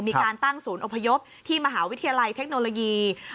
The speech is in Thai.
มีการตั้งศูนย์อพยพที่มหาวิทยาลัยเทคโนโลยี